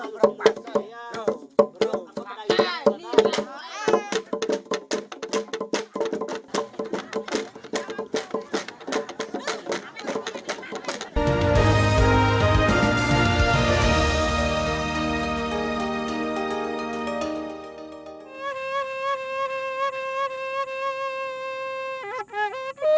itu hal yang ialah syariat